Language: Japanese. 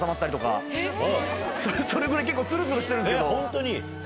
それぐらい結構ツルツルしてるんですけど。